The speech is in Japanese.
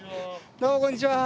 どうもこんにちは。